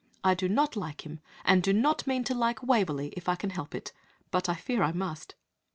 I do not like him, and do not mean to like Waverley if I can help it, but I fear I must."